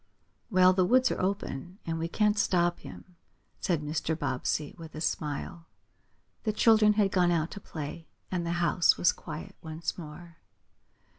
"Well, the woods are open, and we can't stop him," said Mr. Bobbsey, with a smile. The children had gone out to play, and the house was quiet once more.